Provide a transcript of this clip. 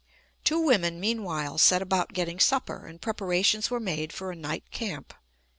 Two women meanwhile set about getting supper, and preparations were made for a night camp.